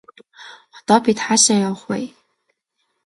Одоо бид хаашаа явах вэ?